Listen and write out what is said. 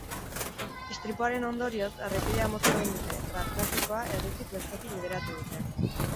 Istripuaren ondorioz, errepidea moztu egin dute eta trafikoa herritik bertatik bideratu dute.